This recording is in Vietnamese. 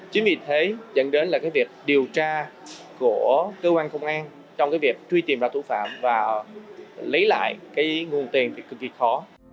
chính vì thế dẫn đến là cái việc điều tra của cơ quan công an trong cái việc truy tìm lại thủ phạm và lấy lại cái nguồn tiền thì cực kỳ khó